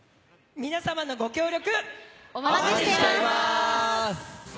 皆さまのご協力、お待ちしています！